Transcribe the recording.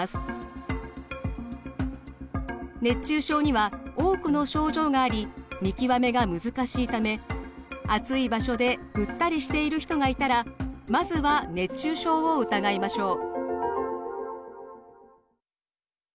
熱中症には多くの症状があり見極めが難しいため暑い場所でぐったりしている人がいたらまずは熱中症を疑いましょう。